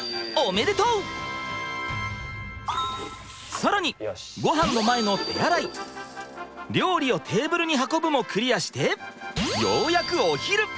更にごはんの前の「手洗い」「料理をテーブルに運ぶ」もクリアしてようやくお昼。